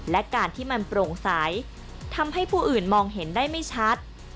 และการที่มันโปร่งใสทำให้ผู้อื่นมองเห็นได้ไม่ชัด